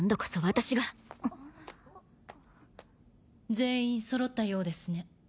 全員そろったようですね。